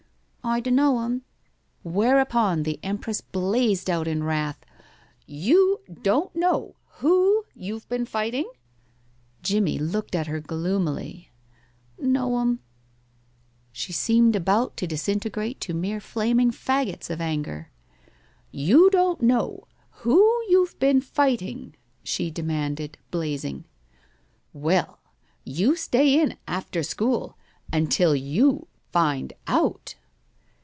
"I dunno', 'm." Whereupon the empress blazed out in wrath. "You don't know who you've been fighting?" Jimmie looked at her gloomily. "No, 'm." She seemed about to disintegrate to mere flaming fagots of anger. "You don't know who you've been fighting?" she demanded, blazing. "Well, you stay in after school until you find out."